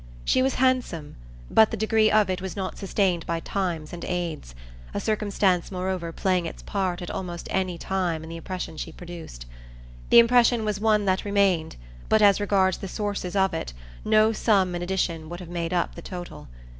She was handsome, but the degree of it was not sustained by items and aids; a circumstance moreover playing its part at almost any time in the impression she produced. The impression was one that remained, but as regards the sources of it no sum in addition would have made up the total.